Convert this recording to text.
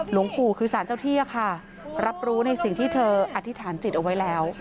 หลวงปู่คือสารเจ้าที่ค่ะรับรู้ในสิ่งที่เธออธิษฐานจิตเอาไว้แล้ว